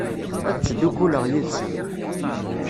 Ad ttdukkuleɣ yid-sen.